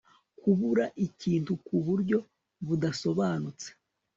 kubura ikintu ku buryo budasobanutse